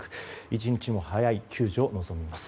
一日も早い救助を望みます。